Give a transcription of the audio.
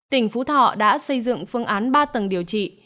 tỉnh phú thọ đã xây dựng phương án ba tầng điều trị